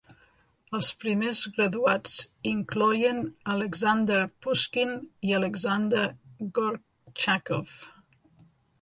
Els primers graduats incloïen Alexander Pushkin i Alexander Gorchakov.